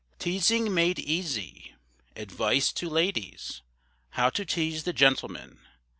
TEASING MADE EASY. ADVICE TO LADIES. HOW TO TEASE THE GENTLEMEN.